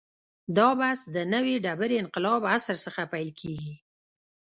دا بحث د نوې ډبرې انقلاب عصر څخه پیل کېږي.